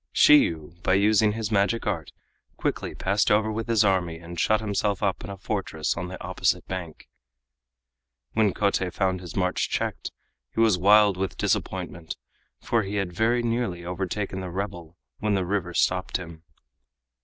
Shiyu by using his magic art quickly passed over with his army and shut himself up in a fortress on the opposite bank. When Kotei found his march checked he was wild with disappointment, for he had very nearly overtaken the rebel when the river stopped him.